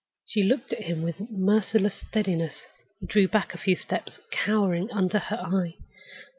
She looked at him with a merciless steadiness. He drew back a few steps, cowering under her eye.